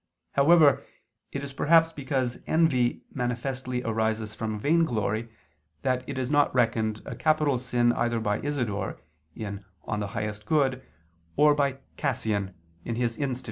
However it is perhaps because envy manifestly arises from vainglory, that it is not reckoned a capital sin, either by Isidore (De Summo Bono) or by Cassian (De Instit.